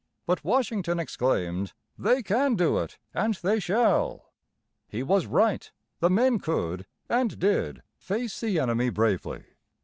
But Washington exclaimed: "They can do it, and they shall!" He was right; the men could, and did, face the enemy bravely.